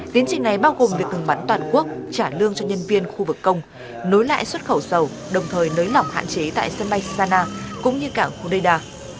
tiến trình này bao gồm việc ngừng bắn toàn quốc trả lương cho nhân viên khu vực công nối lại xuất khẩu dầu đồng thời nới lỏng hạn chế tại sân bay sana cũng như cảng hodeida